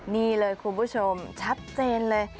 นี่เลยคุณผู้ชมชัดเจนเลย